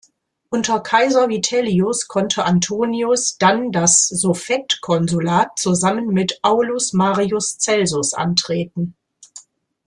Unter Kaiser Vitellius konnte Antoninus dann das Suffektkonsulat zusammen mit Aulus Marius Celsus antreten.